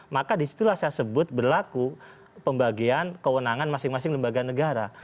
maka disitulah saya sebut berlaku pembagian kewenangan masing masing lembaga negara